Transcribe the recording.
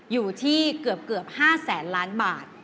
อยู่ที่เกือบ๕แสนล้านบาท